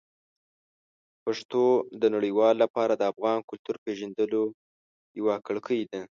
پښتو د نړیوالو لپاره د افغان کلتور پېژندلو یوه کړکۍ ده.